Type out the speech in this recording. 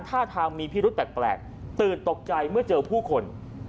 ท่าทางมีพิรุธแปลกตื่นตกใจเมื่อเจอผู้คน